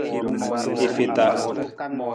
I feta.